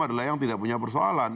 adalah yang tidak punya persoalan